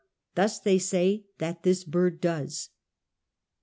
Thus they say that this bird does.